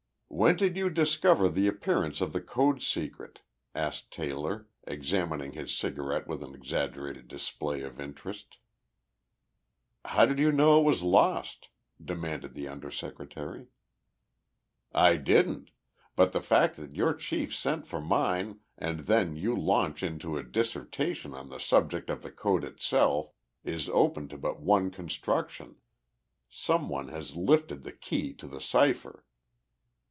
"When did you discover the disappearance of the code secret?" asked Taylor, examining his cigarette with an exaggerated display of interest. "How did you know it was lost?" demanded the Under Secretary. "I didn't but the fact that your chief sent for mine and then you launch into a dissertation on the subject of the code itself is open to but one construction some one has lifted the key to the cipher."